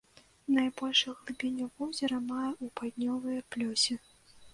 Найбольшую глыбіню возера мае ў паўднёвыя плёсе.